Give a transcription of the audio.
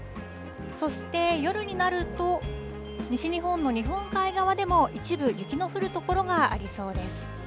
そして夜になると、西日本の日本海側でも一部雪の降る所がありそうです。